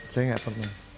saya gak pernah